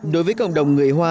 đối với cộng đồng người hoa